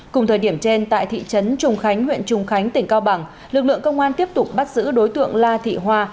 cùng thời điểm trên tại thị trấn trùng khánh huyện trùng khánh tỉnh cao bằng lực lượng công an tiếp tục bắt giữ đối tượng la thị hoa